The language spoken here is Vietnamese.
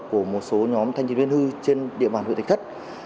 của một số nhóm thanh chế viên hư trên địa bàn huyện thạch thất